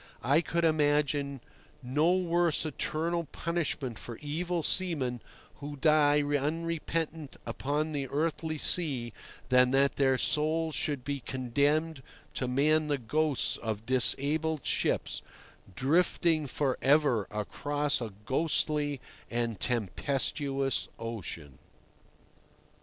I could imagine no worse eternal punishment for evil seamen who die unrepentant upon the earthly sea than that their souls should be condemned to man the ghosts of disabled ships, drifting for ever across a ghostly and tempestuous ocean.